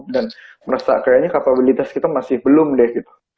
dan merasa kayaknya kapabilitas kita masih belum deh gitu